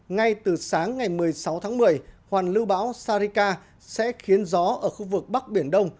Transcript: ngay từ sáng ngày một mươi sáu tháng một mươi hoàn lưu bão sarika sẽ khiến gió ở khu vực bắc biển đông